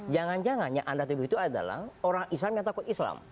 jangan jangan yang anda tuduh itu adalah orang islam yang takut islam